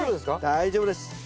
大丈夫です。